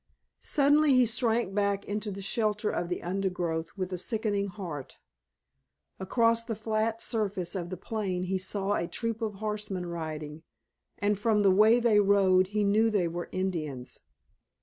Suddenly he shrank back into the shelter of the undergrowth with a sickening heart. Across the flat surface of the plain he saw a troop of horsemen riding, and from the way they rode he knew they were Indians.